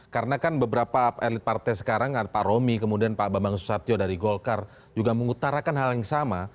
karena kan beberapa elite partai sekarang pak romi pak bambang susatyo dari golkar juga mengutarakan hal yang sama